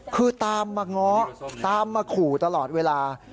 คือตามมาง้อตามมาขู่ตลอดเวลา